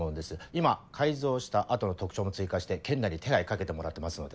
今改造した後の特徴も追加して県内に手配かけてもらってますので。